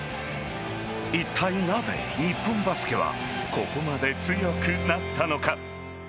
いったい、なぜ日本バスケはここまで強くなったのか。